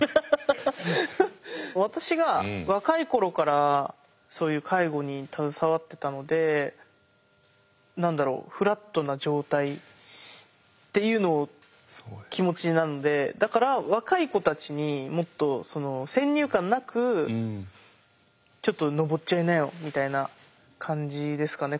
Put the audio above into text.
私が若い頃からそういう介護に携わってたので何だろうフラットな状態っていうのを気持ちなのでだから若い子たちにもっと先入観なくちょっと登っちゃいなよみたいな感じですかね